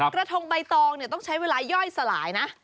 กระทงใบตองต้องใช้เวลาย่อยสลายนะ